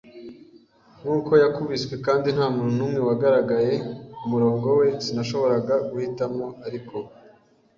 nkuko yakubiswe, kandi nta muntu numwe wagaragaye kumurongo we. Sinashoboraga guhitamo ariko